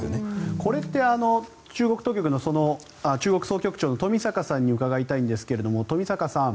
これって中国総局長の冨坂さんに伺いたいんですが冨坂さん